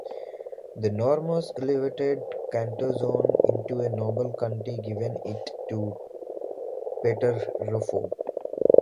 The Normans elevated Catanzaro into a noble county, giving it to Peter Ruffo.